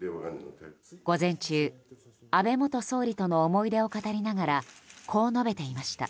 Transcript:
午前中、安倍元総理との思い出を語りながらこう述べていました。